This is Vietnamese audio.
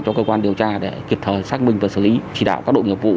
cho cơ quan điều tra để kịp thời xác minh và xử lý chỉ đạo các đội nghiệp vụ